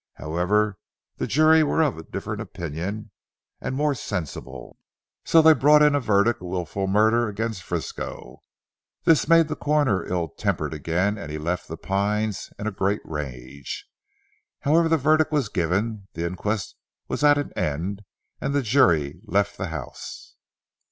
However the jury were of a different opinion and more sensible, so they brought in a verdict of wilful murder against Frisco. This made the Coroner ill tempered again and he left "The Pines" in a great rage. However the verdict was given, the inquest was at an end, and the jury left the house.